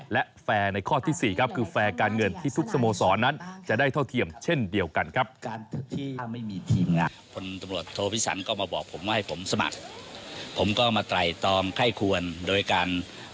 และแฟร์ในข้อที่๔ครับคือแฟร์การเงินที่ทุกสมาชิกสโมสรนั้น